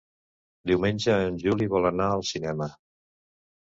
Diumenge en Juli vol anar al cinema.